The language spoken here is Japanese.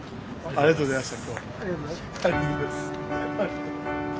ありがとうございます。